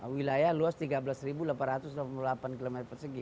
wilayah luas tiga belas delapan ratus delapan puluh delapan km persegi